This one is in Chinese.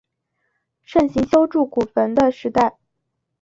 盛行修筑古坟的时代。